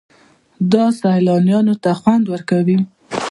دا سیلانیانو ته خوند ورکوي.